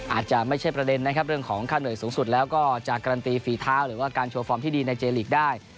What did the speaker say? อาจจะไม่ใช่ประเด็นนะครับเรื่องของค่าเหนื่อยสูงสุดแล้วก็จะการันตีฝีเท้าหรือว่าการโชว์ฟอร์มที่ดีในเจลีกได้